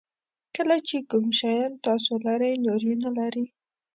کله چې کوم شیان تاسو لرئ نور یې نه لري.